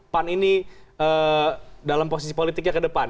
pan ini dalam posisi politiknya ke depan